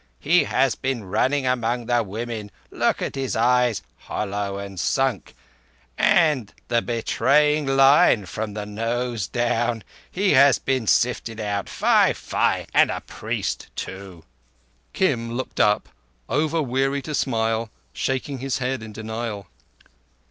He has been running among the women. Look at his eyes—hollow and sunk—and the Betraying Line from the nose down! He has been sifted out! Fie! Fie! And a priest, too!" Kim looked up, over weary to smile, shaking his head in denial.